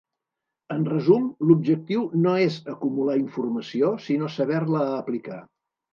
En resum l'objectiu no és acumular informació sinó saber-la aplicar.